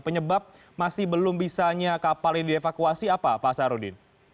penyebab masih belum bisanya kapal ini dievakuasi apa pak sarudin